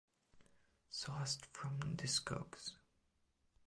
Sourced from Discogs